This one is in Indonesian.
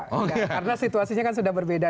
karena situasinya kan sudah berbeda